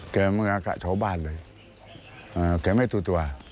แกไม่งั้นแกชาวบ้านเลยแกไม่ถูกตัว